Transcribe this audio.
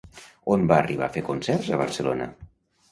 On va arribar a fer concerts a Barcelona?